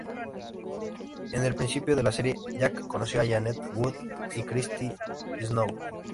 En el principio de la serie, Jack conoció a Janet Wood y Chrissy Snow.